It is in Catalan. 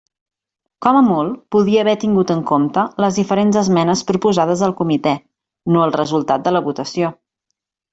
Com a molt podia haver tingut en compte les diferents esmenes proposades al comitè, no el resultat de la votació.